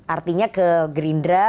artinya ke gerindra